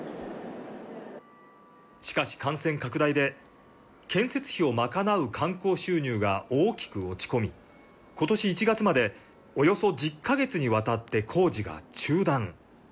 しかし、感染拡大で建設費を賄う観光収入が大きく落ち込み、ことし１月までおよそ１０か月にわたって工事が中断。